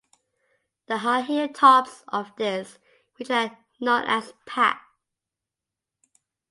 The high hill tops of this region are known as "pat".